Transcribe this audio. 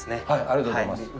ありがとうございます。